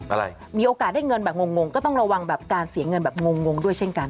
อะไรมีโอกาสได้เงินแบบงงก็ต้องระวังแบบการเสียเงินแบบงงด้วยเช่นกัน